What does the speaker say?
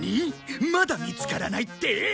まだ見つからないって？